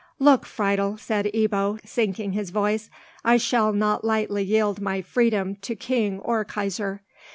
"Look, Friedel," said Ebbo, sinking his voice, "I shall not lightly yield my freedom to king or Kaiser.